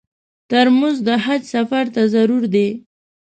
ترموز د حج سفر ته ضرور دی.